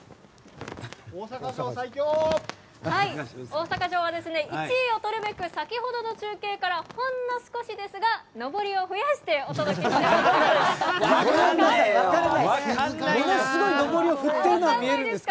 大阪城は１位を取るべく先ほどの中継からほんの少しですがのぼりを増やしてお届けしております。